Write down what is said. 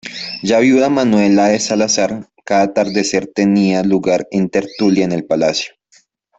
Ya viuda Manuela de Salazar, cada atardecer tenía lugar una tertulia en el palacio.